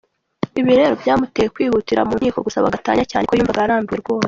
Ibi rero byamuteye kwihutira mu nkiko gusaba gatanya cyane ko yumvaga arambiwe rwose.